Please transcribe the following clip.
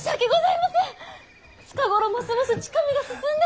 近頃ますます近目が進んで。